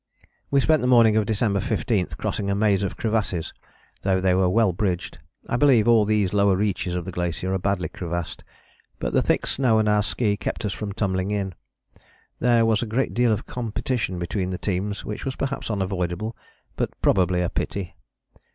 " We spent the morning of December 15 crossing a maze of crevasses though they were well bridged; I believe all these lower reaches of the glacier are badly crevassed, but the thick snow and our ski kept us from tumbling in. There was a great deal of competition between the teams which was perhaps unavoidable but probably a pity.